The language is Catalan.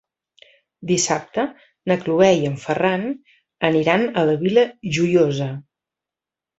Dissabte na Cloè i en Ferran aniran a la Vila Joiosa.